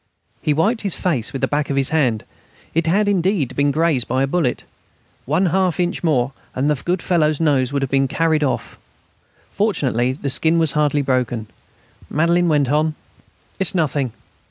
He wiped his face with the back of his hand. It had indeed been grazed by a bullet. One half inch more, and the good fellow's nose would have been carried off. Fortunately the skin was hardly broken. Madelaine went on: "It's nothing